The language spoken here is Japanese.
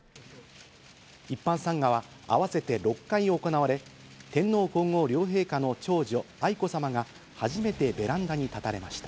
一般参賀は合わせて６回行われ、天皇皇后両陛下の長女、愛子さまが初めてベランダに立たれました。